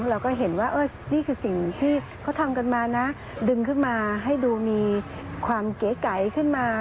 เราก็เห็นว่านี่คือสิ่งที่เขาทำกันมานะดึงขึ้นมาให้ดูมีความเก๋ขึ้นมา